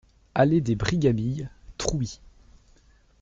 Allée des Brigamilles, Trouy